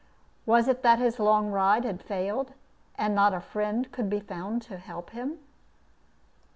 Was it that his long ride had failed, and not a friend could be found to help him?